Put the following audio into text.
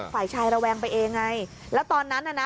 ฝ่ายชายระแวงไปเองไงแล้วตอนนั้นน่ะนะ